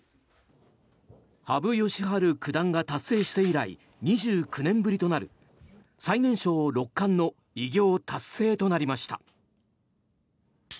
羽生善治九段が達成して以来２９年ぶりとなる最年少六冠の偉業達成となりました。